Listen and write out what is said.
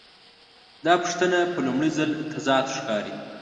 دا پوښتنه په لومړي ځل تضاد ښکاري.